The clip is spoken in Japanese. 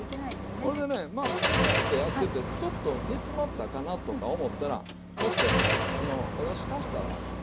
これでねこうやってやっててちょっと煮詰まったかなとか思ったらこうしてあのおだし足したらよろしいからね。